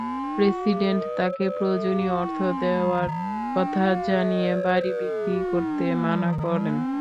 President তাঁকে প্রয়োজনীয় অর্থ দেওয়ার কথা জানিয়ে বাড়ি বিক্রি করতে মানা করেন।